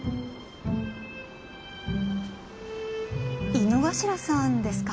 井之頭さんですか？